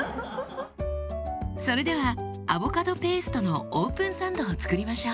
それではアボカドペーストのオープンサンドを作りましょう。